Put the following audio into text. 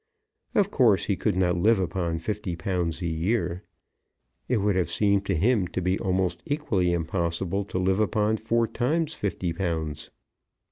Of course he could not live upon fifty pounds a year. It would have seemed to him to be almost equally impossible to live upon four times fifty pounds.